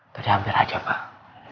tadi hampir aja pak